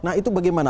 nah itu bagaimana